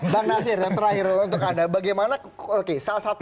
bang nasir yang terakhir untuk anda bagaimana